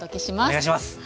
お願いします！